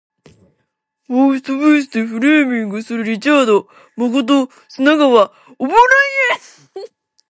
ファーストベースでフレーミングするリチャード誠砂川オブライエン